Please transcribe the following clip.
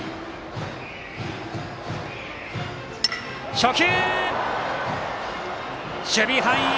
初球、守備範囲。